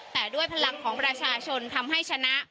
แต่ด้วยพลังของประชาชนทำให้ชนะ